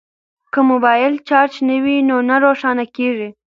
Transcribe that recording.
که موبایل چارج نه وي نو نه روښانه کیږي.